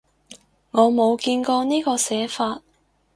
我冇見過呢個寫法